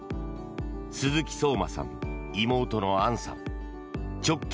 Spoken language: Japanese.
鈴木聡真さん、妹の杏さん一寸木